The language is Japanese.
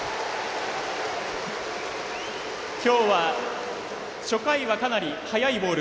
今日は初回はかなり速いボール